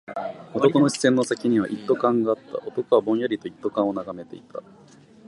男の視線の先には一斗缶があった。男はぼんやりと一斗缶を眺めていた。